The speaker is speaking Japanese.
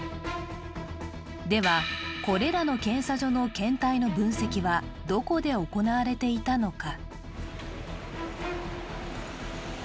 では、これらの検査所の検体の分析はどこで行われていたのか。